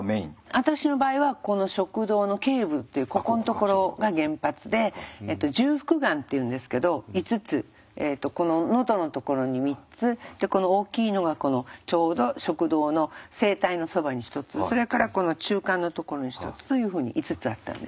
私の場合はこの食道の頸部っていうここんところが原発で重複がんっていうんですけど５つこののどのところに３つでこの大きいのがこのちょうど食道の声帯のそばに１つそれからこの中間のところに１つというふうに５つあったんです。